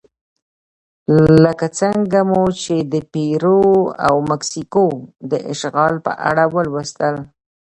لکه څنګه مو چې د پیرو او مکسیکو د اشغال په اړه ولوستل.